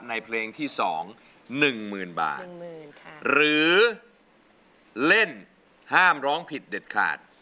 ในเพลงที่๒หนึ่งหมื่นบาทหรือเล่นห้ามร้องผิดเด็ดขาด